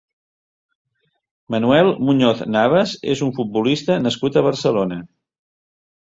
Manuel Muñoz Navas és un futbolista nascut a Barcelona.